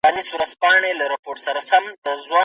بااحساس استاد ماشومانو ته د پاکو اوبو ارزښت تشریح کوي.